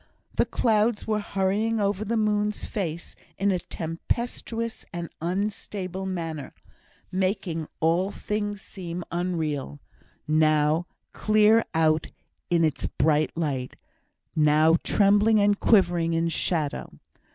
The clouds were hurrying over the moon's face in a tempestuous and unstable manner, making all things seem unreal; now clear out in its bright light, now trembling and quivering in shadow.